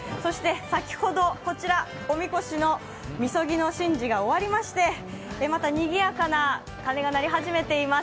先ほどこちらおみこしのみそぎの神事が終わりまして、またにぎやかなかねが鳴り始めています。